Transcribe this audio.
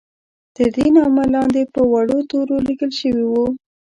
تر دې نامه لاندې په وړو تورو لیکل شوي وو.